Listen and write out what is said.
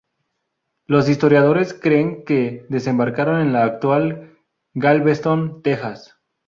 Los historiadores creen que desembarcaron en la actual Galveston, Texas.